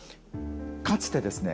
かつてですね